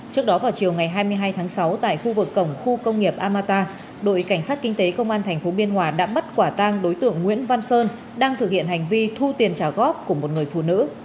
trước đó vào chiều ngày hai mươi hai tháng sáu tại khu vực cổng khu công nghiệp amata đội cảnh sát kinh tế công an tp biên hòa đã bắt quả tang đối tượng nguyễn văn sơn đang thực hiện hành vi thu tiền trả góp của một người phụ nữ